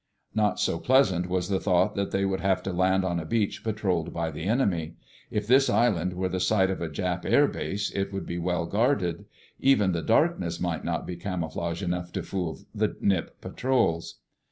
Not so pleasant was the thought that they would have to land on a beach patrolled by the enemy. If this island were the site of a Jap air base it would be well guarded. Even the darkness might not be camouflage enough to fool the Nip patrols.